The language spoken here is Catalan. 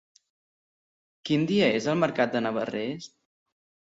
Quin dia és el mercat de Navarrés?